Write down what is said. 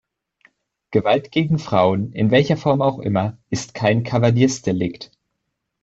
Gewalt gegen Frauen, in welcher Form auch immer, ist kein Kavaliersdelikt.